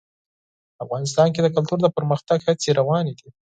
افغانستان کې د کلتور د پرمختګ هڅې روانې دي.